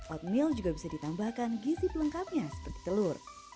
oatmeal juga bisa ditambahkan gizi pelengkapnya seperti telur